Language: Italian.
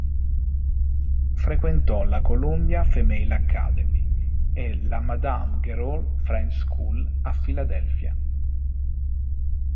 Frequentò la Columbia Female Academy e la Madame Grelaud's French School a Filadelfia.